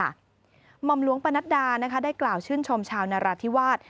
หม่อมหลวงปนัดดานะคะได้กล่าวชื่นชมชาวนราธิวาส